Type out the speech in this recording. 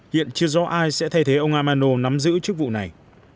hiện chưa rõ ai sẽ thay thế ông amano nắm giữ chức vụ này